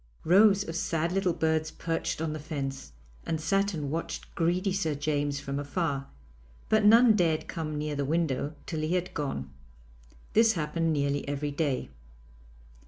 Rows of sad little birds perched on the fence, and sat and watched greedy Sir James from afar, but none dared come near the window till he had gone. This happened nearly every day.